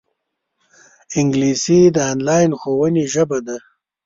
انګلیسي د انلاین ښوونې ژبه ده